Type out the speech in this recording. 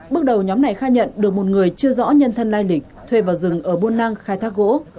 bước đầu nhóm này khai nhận được một người chưa rõ nhân thân lai lịch thuê vào rừng ở buôn năng khai thác gỗ